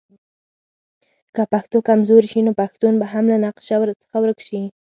که پښتو کمزورې شي نو پښتون به هم له نقشه څخه ورک شي.